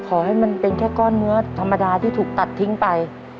ขอให้มันเป็นแค่ก้อนเนื้อธรรมดาที่ถูกตัดทิ้งไป